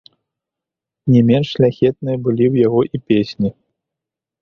Не менш шляхетныя былі ў яго і песні.